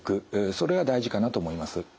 それが大事かなと思います。